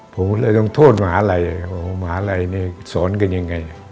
ผมเลยต้องโทษหมาไลยหมาไลยนี่สอนกันยังไง